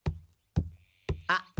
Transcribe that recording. あっ。